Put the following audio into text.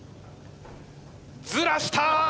ずらした！